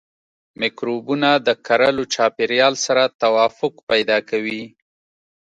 مکروبونه د کرلو چاپیریال سره توافق پیدا کوي.